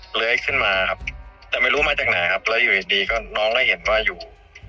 เลื้อยขึ้นมาครับแต่ไม่รู้มาจากไหนครับแล้วอยู่ดีก็น้องได้เห็นว่าอยู่